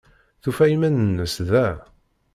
Tufa iman-nnes da.